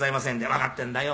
「わかってんだよ。